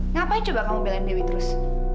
ngapain coba kamu belain dewi terus